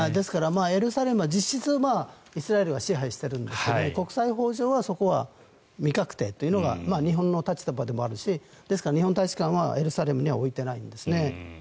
エルサレムは実質、イスラエルは支配しているんですが国際法上はそこは未確定というのが日本の立場でもあるしですから日本の大使館はエルサレムには置いてないんですね。